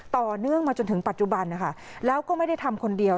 ต่อเนื่องมาจนถึงปัจจุบันนะคะแล้วก็ไม่ได้ทำคนเดียว